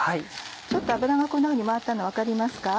ちょっと油がこんなふうに回ったの分かりますか？